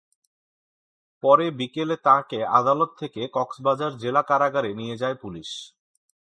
পরে বিকেলে তাঁকে আদালত থেকে কক্সবাজার জেলা কারাগারে নিয়ে যায় পুলিশ।